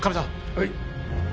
はい。